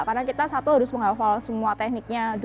karena kita satu harus menghafal semua tekniknya